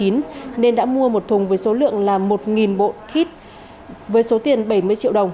nên đã mua một thùng với số lượng là một bộ kit với số tiền bảy mươi triệu đồng